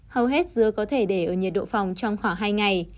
hầu hết dứa có thể để ở nhiệt độ phòng trong khoảng hai ngày